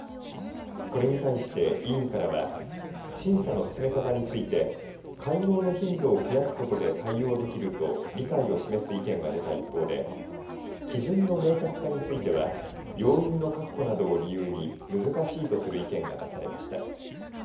これに対して委員からは審査の進め方について会合の頻度を増やすことで対応できると理解を示す意見が出た一方で基準の明確化については要員の確保などを理由に難しいとする意見が出されました。